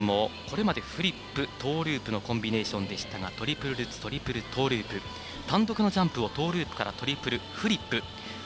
ジャンプもこれまでフリップ、トーループのコンビネーションでしたがトリプルルッツ、トリプルループ単独のジャンプをトーループからトリプルフリップ。